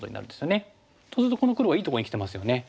そうするとこの黒はいいとこにきてますよね。